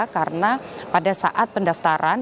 karena pada saat pendaftaran